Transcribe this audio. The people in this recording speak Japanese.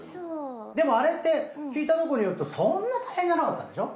でもあれって聞いたとこによるとそんな大変じゃなかったんでしょう？